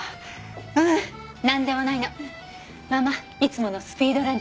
ううんなんでもないの。ママいつものスピードランチお願い。